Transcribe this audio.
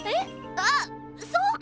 あっそうか。